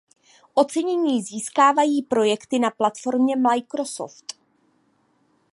Ocenění získávají projekty na platformě Microsoft.